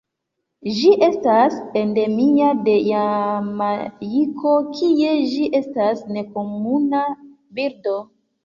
Ĝi estas endemia de Jamajko, kie ĝi estas nekomuna birdo.